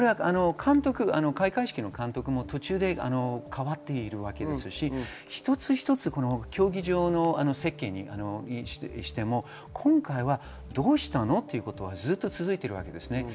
開会式の監督も途中で代わっているわけですし、競技場の設計にしても今回はどうしたの？ということはずっと続いています。